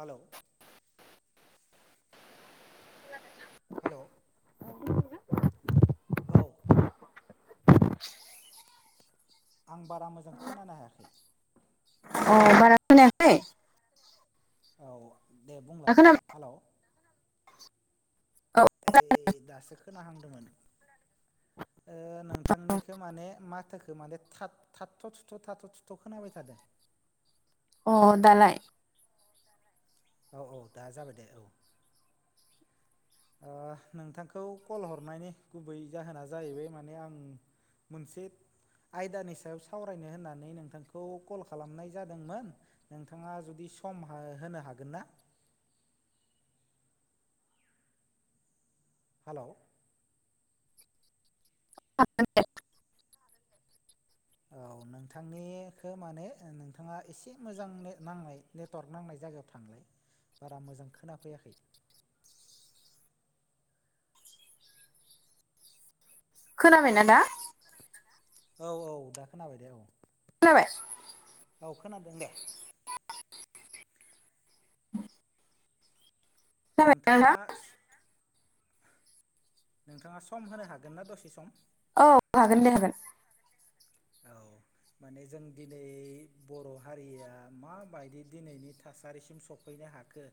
Hello खोनादों नोंथां? Hello औ आं बारा मोजां खोनानो हायाखै? अ बारा खोनायाखै? औ दे दा बुंलाय खोनाबाय हेल' औ ऐ दासो खोनाहांदोंमोन। ओ नोंथांनिखौ माने माथोखो माने थाब थाथ' थुथ' थाथ' थुथ' खोनाबाय थादों। अ दालाय? औ औ दा जाबाय दे औ। ओ नोंथांखौ कल हरनायनि गुबै जाहोना जाहैबाय माने आं मोनसे आयदानि सायाव सावरायनो होननानै नोंथांखौ कल खालामनाय जादोंमोन। नोंथाङा जुदि सम हा होनो हागोन ना? हालाव [unintelligible] औ नोंथांनिखो माने ओ नोंथाङा एसे मोजांनो नांनाय नेटवार्क नांनाय जायगायाव थांलाय बारा मोजां खोनाफैयाखै खोनाबायना दा? औ औ दा खोनाबाय दे औ। खोनाबाय? औ खोनादों दे। [inaudible] खोनाबायना नोंथाङा नोंथां नोंथाङा सम होनो हागोन ना दसे सम? औ हागोन दे हागोन। औ माने जों दिनै बर' हारिया माबायदि दिनैनि थासारिसिम सफ फैनो हाखो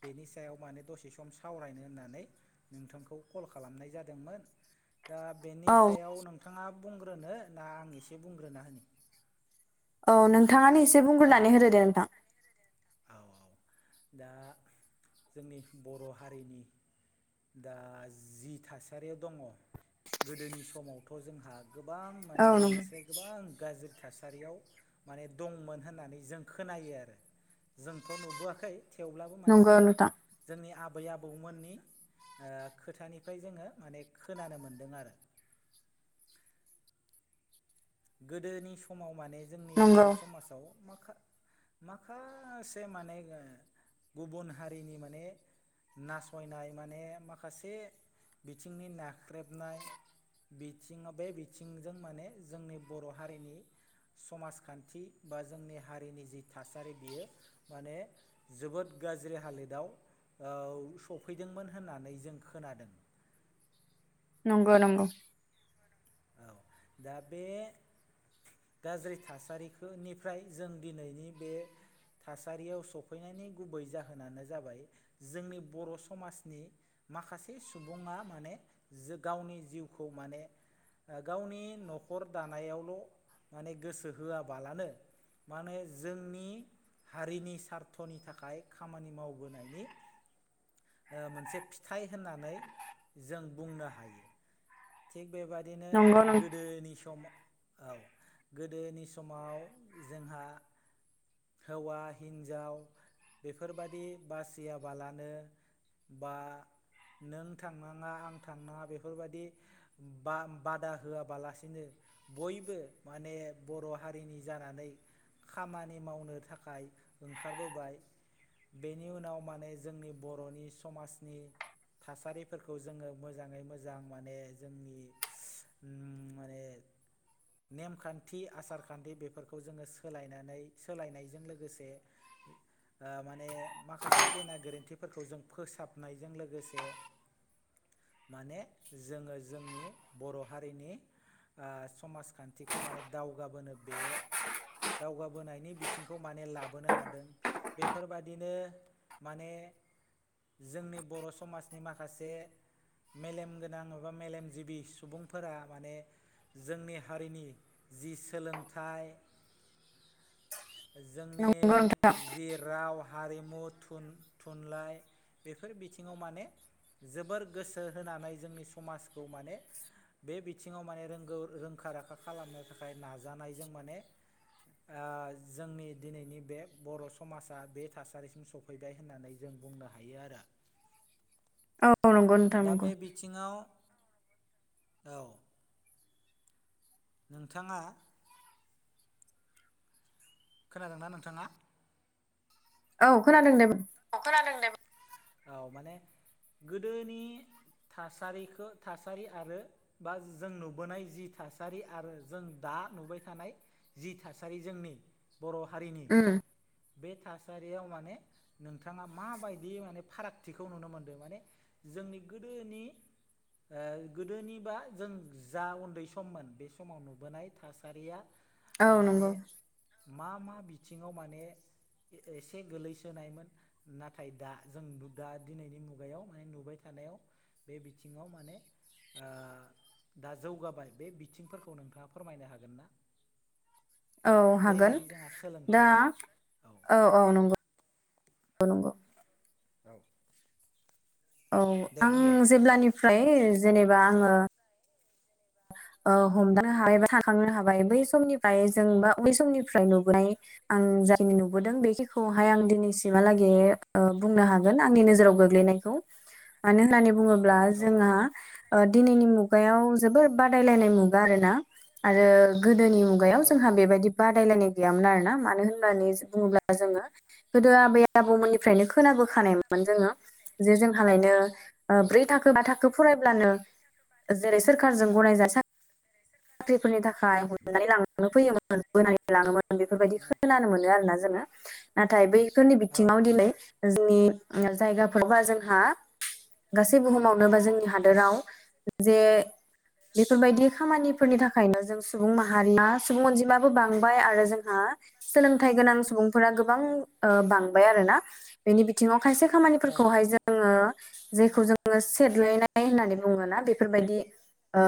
बेनि सायाव माने दसे सम सावरायनो होननानै नोंथांखौ कल खालामनाय जादोंमोन। दा बेनि औ सायाव नोंथाङा बुंग्रोनो ना आं एसे बुंग्रोना होनि औ नोंथाङानो एसे बुंग्रोननानै होदो दे नोंथां। औ औ दा जोंनि बर' हारिनि दा जि थासारियाव दङ गोदोनि समावथ' जोंहा गोबां औ माने नंगौ बेनिस्राय गोबां गाज्रि थासारियाव माने दंमोन होननानै जों खोनायो आरो। जोंथ' नुबोआखै थेवब्लाबो माने नंगौ जों नोंथां जोंनि आबै आबौमोननि ओ खोथानिफ्राय जोङो माने खोनानो मोनदों आरो। गोदोनि समाव माने जोंनि नंगौ बर' समाजाव माखा माखासे माने ओ गुबुन हारिनि माने नासयनाय माने माखासे बिथिंनि नाख्रेबनाय बिथिङा बै बिथिंजों माने जोंनि बर' हारिनि समाजखान्थि बा जोंनि हारिनि जि थासारि बियो माने जोबोद गाज्रि हालोदाव औ सफैदोंमोन होननानै जों खोनादों। नंगौ नंगौ। औ दा बे गाज्रि थासारिखोनिफ्राय जों दिनैनि बे थासारियाव सफैनायनि गुबै जाहोनानो जाबाय जोंनि बर' समाजनि माखासे सुबुङा माने जो गावनि जिउखौ माने ओ गावनि नखर दानायावल' माने गोसो होयाबालानो मानो जोंनि हारिनि सार्थनि थाखाय खामानि मावबोनायनि ओ मोनसे फिथाइ होननानै जों बुंनो हायो। थिग बेबादिनो नंगौ नों गोदोनि सम औ गोदोनि समाव जोंहा हौवा हिन्जाव बेफोरबादि बासियाबालानो बा नों थांनाङा आं थांनाङा बेफोरबायदि बा बादा होआबालासिनो बयबो माने बर' हारिनि जानानै खामान नि मावनो थाखाय ओंखारबोबाय। बेनि उनाव माने जोंनि बर'नि समाजनि थासारिफोरखौ जोङो मोजाङै मोजां माने जोंनि उम माने नेमखान्थि आसारखान्थि बेफोरखौ जोङो सोलायनानै सोलायनायजों लोगोसे ओ माने माखासे गेना गोरोन्थि फोरखौ जों फोसाबनायजों लोगोसे माने जोङो जोंनि बर' हारिनि ओ समाज खान्थिखौ माने दावगाबोनो बे दावगा बोनायनि बिथिंखौ माने लाबोनो हादों बेफोरबादिनो माने जोंनि बर' समाजनि माखासे मेलेम गोनां एबा मेलेमजिबि सुबुंफोरा माने जोंनि हारिनि जि सोलोंथाइ नंगौ नोंथां जोंनि जि राव हारिमु थुन थुनलाइ बेफोर बिथिङाव माने जोबोर गोसो होनानै जोंनि समाजखौ माने बे बिथिङाव माने रोंगौ रोंखा राखा खालामनो थाखाय नाजानायजों माने ओ जोंनि दिनैनि बे बर' समाजा बे थासारिसिम सौ फैबाय होननानै जों बुंनो हायो आरो। औ नंगौ नोंथां नंगौ। थिङाव औ। नोंथाङा खोनादोंना नोंथांङा? औ खोनादों दे बु अ खोनादों दे बु औ माने गोदोनि थासारिखो थासारि आरो बा जों नुबोनाय जि थासारि आरो जों दा नुबाय थानाय जि थासारि जोंनि बर' हारिनि उम बे थासारियाव माने नोंथाङा माबायदि माने फारागथिखौ नुनो मोनदों माने जोंनि गोदोनि ओ गोदोनिबा जों जा उन्दै सममोन बे समाव नुबोनाय थासारिया औ माने नंगौ मा मा बिथिङाव माने ए एसे गोलैसोनायमोन। नाथाय दा जों दु दा दिनैनि मुगायाव माने नुबाय थानायाव बे बिथिङाव माने ओ दा जौगाबाय बे बिथिंफोरखौ नोंथाङा फोरमायनो हागोन ना? [unintelligible] औ हागोन जेरैबायदि जोंहा दा सोलोंथाइ औ औ नंगौ नंगौ। औ औ आं जेब्लानिफ्राय जेनेबा आङो ओ हमदांनो हाबाय बा थाखांनो हाबाय बै समनिफ्राय जों बा बै समनिफ्राय नुबोनाय आं जाखिनि नुबोदों बेखिखौहाय आं दिनैसिमहालागै ओ बुंनो हागोन आंनि नोजोराव गोग्लैनाय। खौ मानो होननानै बुङोब्ला जोंहा ओ दिनैनि मुगायाव जोबोर बादायलायनाय मुगा आरोना आरो गोदोनि मुायाव औ औ जोंहा बेबायदि बादायलायनाय गैयामोन आरोना मानो होननानै बुङोब्ला जोङो गोदो आबै आबौमोननिफ्रायनो खोनाबोखानायमोन जोङो जे जोंहालायनो ओ ब्रै औ थाखो बा थाखो फरायब्लानो जेरै सोरखारजों [unintelligible] साख्रिफोरनि थाखाय हमनानै लांनो फैयोमोन [unintelligible] लाङोमोन बेफोरबायदि खोनानो मोनो आरोना जोङो नाथाय बैफोरनि औ बिथिङाव दिनै जोंनि उम जायगाफोर बा जोंहा गासै बुहुमावनो बा जोंनि हादोराव जे बेफोरबायदि खामानि फोरनि थाखायनो जों सुबुं माहारिमा सुबुं अनजिमाबो बांबाय आरो जोंहा सोलोंथाइ गोनां सुबुंफोरा गोबां बांबाय आरोना बेनि बिथिङाव खायसे खामानिफोरखौहाय जोङो जेखौ जोङो सेदलायनाय होननानै बुङोना बेफोरबायदि। ओ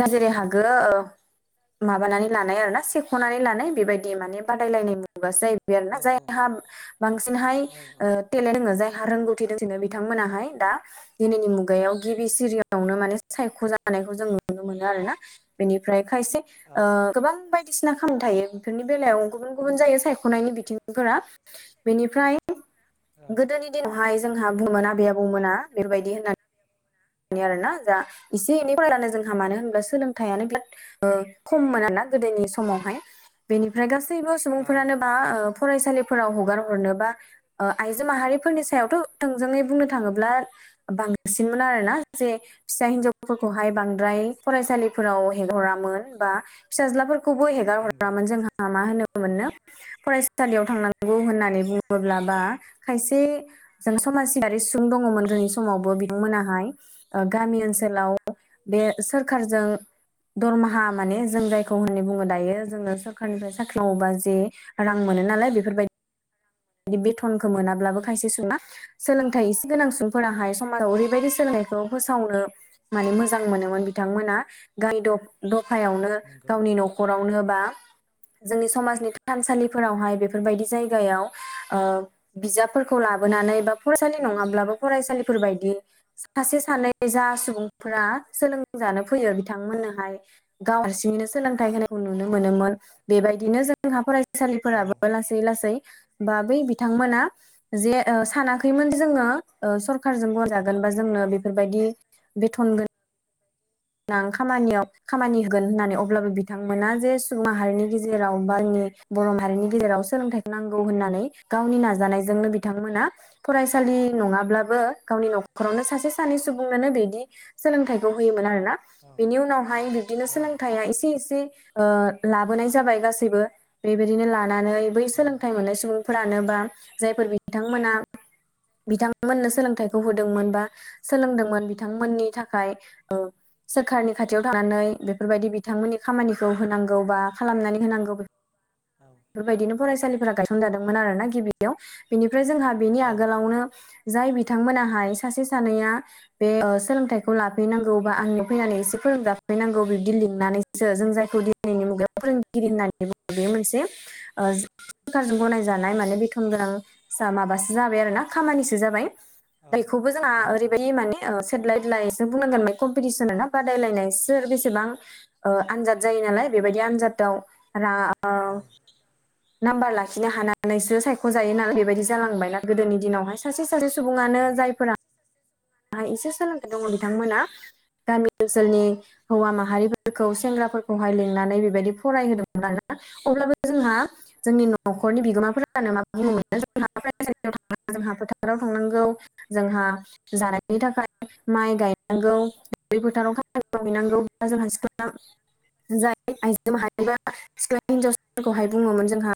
जा जेरै हागो ओ माबानानै लानाय आरोना सेख'नानै लानाय बेबायदि माने बादायलायनाय मुगासो जा हैबाय आरोना जायहा बांसिनहाय ओ टेलेन्ट दोङो जायहा रोंगौथि [unintelligible] बिथांमोनाहाय दा दिनैनि मुगायाव गिबि सिरियावनो माने सायख' जानायखौ जों नुनो मोनो आरोना बेनिफ्राय खायसे ओ गोबां बायदिसिना खामानि थायो बेफोरनि बेलायाव गुबुन गुबुन जायो सायख'नायनि बिथिंफोरा। बेनिफ्राय [unintelligible] गोदोनि दिनावहाय जोंहा बुङोमोन आबै आबौमोना बेबायदि होननानै। आरोना जा एसे एनै फरायब्लानो जोंहा मानो होनब्ला सोलोंथाइयानो बिराद ओ खममोन आरोना गोदोनि समावहाय बेनिफ्राय गासैबो सुबुंफोरानो ओ फरायसालिफोराव हगार हरनो बा आइजो माहारिफोरनि सायावथ' थोंजोङै बुंनो थाङोब्ला बांसिनमोन आरोना जे फिसा हिनजावफोरखौहाय बांद्राय फरायसालिफोराव हेगार हरामोन बा फिसाज्लाफोरखौबो हेगार नंगौ हरामोन जोंहा मा होनो मोननो फरायसालियाव थांनांगौ होननानै बुङोब्ला बा खायसे जों समाज सिबियारि सुंबुं दङमोन जोंनि समावबो बिथांमोनाहाय ओ गामि ओनसोलाव बे औ सोरखारजों दरमाहा माने जों जायखौ होननानै बुङो दायो जोंनो सोरखारनिफ्राय साख्रि मावोबा जे रां मोनो नालाय बेफोरबायदि बेथनखौ औ मोनाब्लाबो खायसे सुबुङा सोलोंथाइ एसे गोनां सुबुंफोराहाय समाजाव ओरैबायदि सोलोंनायखौ फोसावनो। माने मोजां मोनोमोन बिथांमोना गानदब दफायावनो नंगौ गावनि न'खरावनो बा जोंनि समाजनि थानसालिफोरावहाय बे फोरबायदि जायगायाव बिजाबफोरखौ लाबोनानै बा फरायसालि नङाब्लाबो फरायसालिफोर बायदि सासे सानै जा सुबुं फोरा सोलोंजानो फैयो बिथांमोननोहाय गाव हारसिंनो सोलोंथाइ होनायखौ नुनो मोनोमोन बेबायदिनो जों देहा औ औ फरायसालिफोराबो लासै लासै बा बै बिथांमोना जे ओ सानाखैमोन जोङो ओ सरखारजों [unintelligible] बा जोंनो बेफोरबायदि बेथनगो नां खामानियाव खामानि होगोन होननानै अब्लाबो बिथांमोना जे सुबुं माहारिनि गेजेराव [unintelligible] बर' माहारिनि गेजेराव सोलोंथाइखौ नांगौ होननानै गावनि नाजानायजोंनो बिथांमोना फरायसालि नङाब्लाबो गावनि न'खरावनो सासे सानै सुबुंनोनो बिदि सोलोंथाइखौ होयोमोन आरोना बेनि उनावहाय बिबदिनो औ सोलोंथाइया एसे एसे ओ लाबोनाय जाबाय गासैबो बेबायदिनो लानानै बै सोलोंथाइ मोननाय सुबुं फोरानो बा जायफोर बिथांमोना बिथांमोननो सोलोंथाइखौ होदोंमोन बा सोलोंदोंमोन बिथांमोननि थाखाय सोरखारनि खाथियाव थांनानै बेफोरबायदि बिथांमोननि खामानिखौ होनांगौ बा खालामनानै होनांगौ। औ। बेफोरबायदिनो फरायसालिफोरा गायसनजादोंमोन आरोना गिबियाव बेनिफ्राय जोंहा बेनि बिनि आगोलावनो जाय आगोलावनो बिथांमोनाहाय सासे सानैया बे ओ सोलोंथाइखौ लाफैनांगौ बा आं फैनानै एसे फोरोंजाफैनांगौ बिबदि लिंनानैसो जों जायखौ दिनैनि मुगायाव फोरोंगिरि होननानै बुङो। बे मोनसे ओ सोरखारजों गनायजानाय माने बेथन गोनां जा माबासो जाबाय आरोना खामानिसो जाबाय। औ बेखौबो जोंहा औ ओरैबायदि माने ओ सेदलाय बेदलायसो बुंनांगोन कमपिटिसन बादायलायनाय सोर बेसेबां आनजाद जायो नालाय बेबायदि आनजादाव रा औ। नाम्बार लाखिनो हानानैसो सायख' जायो नालाय बेबायदि जालांबायना गोदोनि दिनावहाय सासे सासे सुबुङानो जायफोरा एसे सोलोंथाइ दङ बिथांमोना गामि ओनसोलनि हौवा माहारिफोरखौ सेंग्राफोर खौहाय लिंनानै बेबायदि फरायहोदोंमोन आरोना अब्लाबो जोंहा जोंनि न'खरनि बिगोमाफोरा [unintelligible] जोंहा फोथाराव थांनांगौ जोंहा जानायनि थाखाय माइ गायनांगौ दुब्लि फोथाराव खामानि मावहैनांगौब्ला जोंहा सिख्ला जाय आइजो माहारि बा सिख्ला हिनजावफोरखौहाय बुङोमोन जोंहा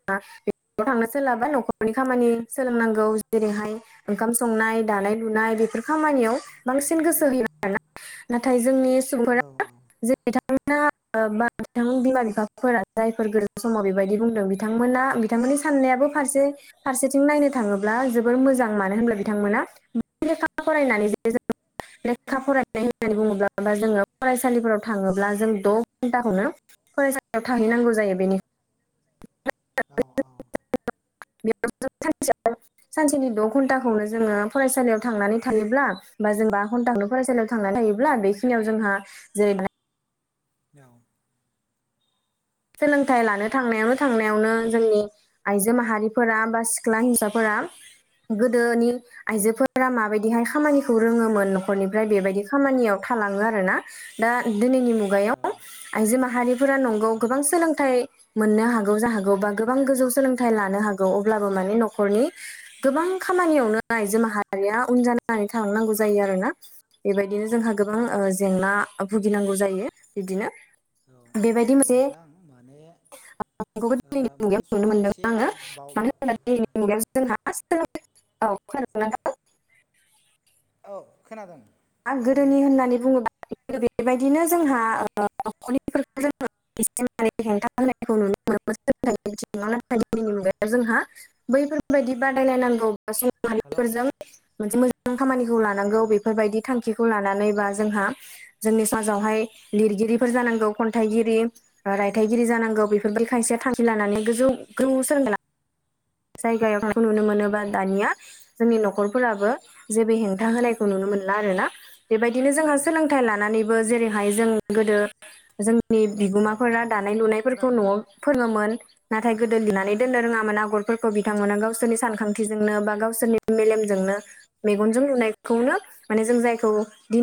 थांनो सोलाबा न'खरनि खामानि सोलोंनांगौ जेरैहाय ओंखाम संनाय दानाय लुनाय बेफोर खामानियाव बांसिन गोसो होयो आरोना नाथाय जोंनि औ सुबुंफोरा बिथांमोना बा बिथां बिमा बिफाफोरा जायफोर गोरों समाव बेबायदि बुंदों बिथांमोना बिथांमोननि साननायाबो फारसे फारसेथिं नायनो थाङोब्ला जोबोर मोजां मानो होनब्ला बिथांमोना फरायनानै [unintelligible] लेखा फरायनाय होननानै बुङोब्ला बा जोङो फरायसालिफोराव थाङोब्ला जों द' घन्टाखौनो फरायसालियाव थाहैनांगौ जायो बेनि औ औ। [unintelligible] सानसेनि द' घणन्टाखौनो जोङो फरायसालियाव थांनानै थायोब्ला बा जों बा घन्टाखौनो फरायसालियाव थांना थायोब्ला बेखिनियाव जोंहा जेरै माने औ। सोलोंथाइ लानो थांनायावनो थांनायावनो जोंनि आइजो माहारिफोरा बा सिख्ला हिनसावफोरा गोदोनि आइजोफोरा माबायदिहाय खामानिखौ रोङोमोन न'खरनिफ्राय बेबायदि खामानियाव थालाङो आरो ना। दा दोनैनि मुगायाव आइजो माहारिफोरा नंगौ गोबां सोलोंथाइ मोननो हागौ जाहागौ बा गोबां गोजौ सोलोंथाइ लानो हागौ अब्लाबो माने न'खरनि गोबां खामानियावनो आइजो माहारिया उन जानानै थालांनांगौ जायो आरोना। बेबायदिनो जोंहा गोबां ओ जेंना भुगिनांगौ जायो बिदिनो। अ बेबायदि मोनसे नोंथां माने खौबो ओ दिनैनि माने समा एसे बावबा बुजिया बुजिया औ खोनादों माने गोदोनि होननानै बुङोब्ला बेबायदिनो जोंहा ओ नख'रनि फोरखौ जोङो [unintelligible] होनायखौ नुनो मोनो बिथिङाव नाथाय दिनैनि मुगायाव जोंहा बैफोरबायदि बादायलायनांगौ सुबुं हेलौ माहारिफोरजों मोनसे मोजां खामानिखौ लानांगौ हेलौ बेफोरबायदि थांखिखौ लानानै बा जोंहा जोंनि समाजावहाय लिरगिरिफोर जानांगौ खन्थाइगिरि रायथाइगिरि जानांगौ बेफोरबायदि खायसेया थांखि लानानै गोजौ गोजौ सो जायगायाव थांनायखौ नुनो मोनोबा दानिया जोंनि न'खर फोराबो जेबो हेंथा होनायखौ नुनो मोनला आरो ना बेबायदिनो जोंहा औ सोलोंथाइ लानानैबो जेरैहाय जों गोदो जों नि हेलौ हेलौ बिगोमाफोरा नोंथां दानाय लुनायफोरखौ खोनादों ना न'आव फोरोङोमोन नाथाय गोदो लिरनानै दोननो रोङामोन आगर फोरखौ बिथांमोना गावसोरनि सानखांथिजोंनो बा गावसोरनि मेलेमजोंनो मेगनजों नुनायखौनो माने जों जायखौ दि